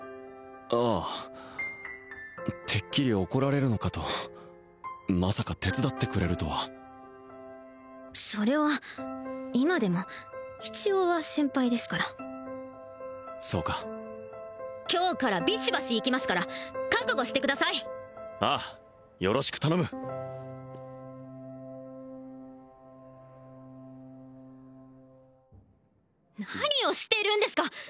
ああてっきり怒られるのかとまさか手伝ってくれるとはそれは今でも一応は先輩ですからそうか今日からビシバシいきますから覚悟してくださいああよろしく頼む何をしているんですか！